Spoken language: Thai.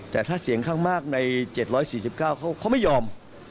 แต่ถ้าเสียงข้างมากใน๗๔๙เขาไม่ยอม